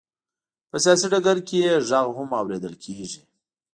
په سیاسي ډګر کې یې غږ هم اورېدل کېږي.